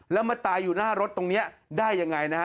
แล้วมาตายอยู่หน้ารถตรงนี้ได้ยังไงนะฮะ